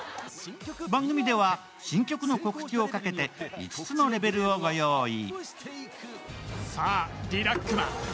番組では新曲の告知をかけて５つのレベルを御用意。